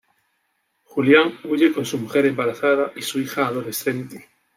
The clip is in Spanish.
Julián huye con su mujer embarazada y su hija adolescente.